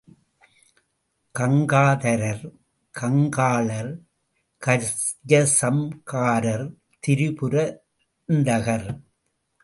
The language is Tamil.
கங்காதரர், கங்காளர், கஜசம்ஹாரர், திரிபுராந்தகர்.